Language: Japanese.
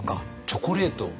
チョコレートを。